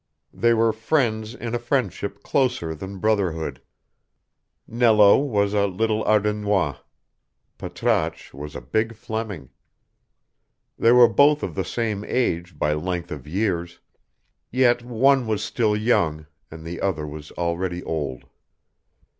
They were friends in a friendship closer than brotherhood. Nello was a little Ardennois Patrasche was a big Fleming. They were both of the same age by length of years, yet one was still young, and the other was already old.